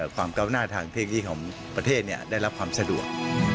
ความก้าวหน้าทางเทคโนโลยีของประเทศได้รับความสะดวก